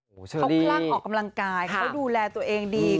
เขาคลั่งออกกำลังกายเขาดูแลตัวเองดี